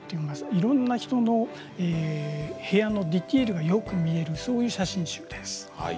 いろんな人の部屋のディテールがよく見える、そういう写真集です。